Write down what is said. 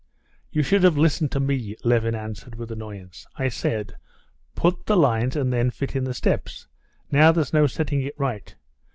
"You should have listened to me," Levin answered with annoyance. "I said: Put the lines and then fit in the steps. Now there's no setting it right.